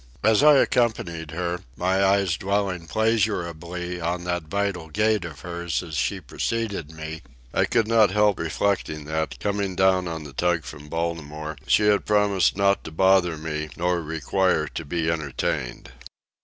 As I accompanied her, my eyes dwelling pleasurably on that vital gait of hers as she preceded me, I could not help reflecting that, coming down on the tug from Baltimore, she had promised not to bother me nor require to be entertained.